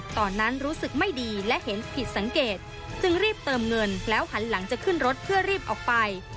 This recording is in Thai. ตอนนั้นรู้สึกไม่ดีและเห็นผิดสังเกตจึงรีบเติมเงินแล้วหันหลังจะขึ้นรถเพื่อรีบออกไป